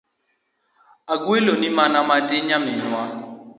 Agweloni mana matin Nyaminwa.